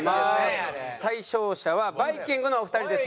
対象者はバイきんぐのお二人です。